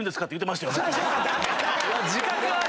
自覚ある！